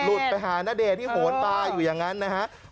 หลุดไปหานาเดชที่โหนตาอยู่อย่างนั้นนะครับ